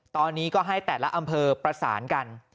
ตอนนี้ก็ให้แต่ละอำเภอประสานกัน